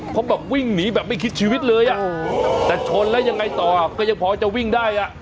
เขาแบบวิ่งหนีแบบไม่คิดชีวิตเลยอ่ะแต่ชนแล้วยังไงต่อก็ยังพอจะวิ่งได้อ่ะ